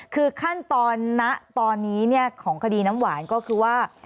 คือขั้นตอนณตอนนี้ของคดีน้ำหวานก็คือว่า